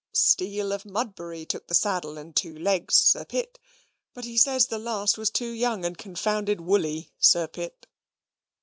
"Steel, of Mudbury, took the saddle and two legs, Sir Pitt; but he says the last was too young and confounded woolly, Sir Pitt."